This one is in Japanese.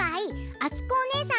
あつこおねえさん